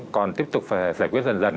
còn tiếp tục phải giải quyết dần dần